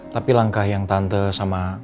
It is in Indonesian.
tapi langkah yang tante sama